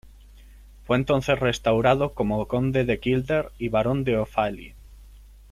Fue entonces restaurado como Conde de Kildare y Barón de Offaly.